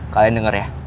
kalian denger ya